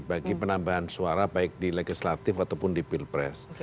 bagi penambahan suara baik di legislatif ataupun di pilpres